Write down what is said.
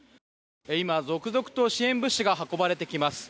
今、続々と支援物資が運ばれてきます。